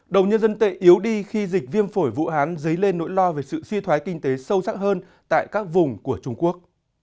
đồng nhân dân tệ yếu đi khi dịch viêm phổi vũ hán dấy lên nỗi lo về sự suy thoái kinh tế sâu sắc hơn tại các vùng của trung quốc